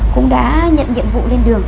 cũng đã nhận nhiệm vụ lên đường